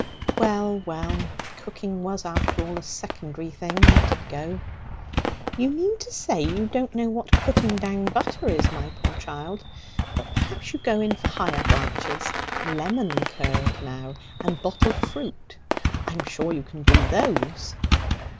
'Well, well, cooking was, after all, a secondary thing. Let it go.' 'You mean to say you don't know what putting down butter is, my poor child? But perhaps you go in for higher branches? Lemon curd, now, and bottled fruit. I'm sure you can do those?'